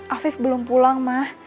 afif belum pulang ma